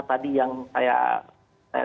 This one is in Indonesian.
tadi yang saya